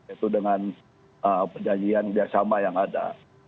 itu dengan perjanjian kerjasama yang ada